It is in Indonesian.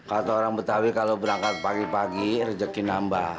kata orang betawi kalau berangkat pagi pagi rezeki nambah